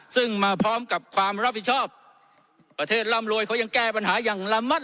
ซึ่งมาพร้อมกับความรับผิดชอบประเทศร่ำรวยเขายังแก้ปัญหาอย่างละมัด